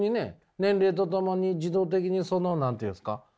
年齢とともに自動的にその何て言うんですか？